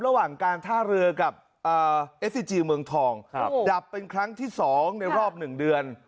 ระหว่างการท่าเรือกับเอฟซีจีเมืองทองครับโอ้โหดับเป็นครั้งที่สองในรอบหนึ่งเดือน